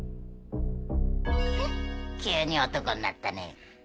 急に男になったねぇ。